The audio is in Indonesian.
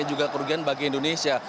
juga kerugian bagi indonesia